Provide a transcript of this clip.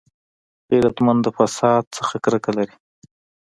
غیرتمند د فساد نه کرکه لري